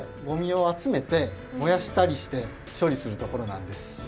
ごみをあつめてもやしたりしてしょりするところなんです。